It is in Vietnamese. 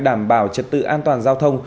đảm bảo trật tự an toàn giao thông